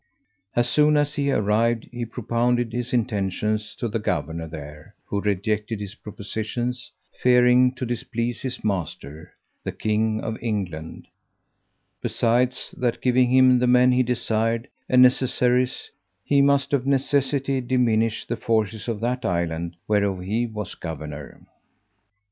As soon as he arrived, he propounded his intentions to the governor there, who rejected his propositions, fearing to displease his master, the king of England; besides, that giving him the men he desired, and necessaries, he must of necessity diminish the forces of that island, whereof he was governor.